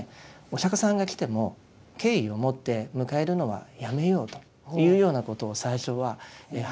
お釈迦さんが来ても敬意を持って迎えるのはやめようというようなことを最初は話し合っていたそうなんです。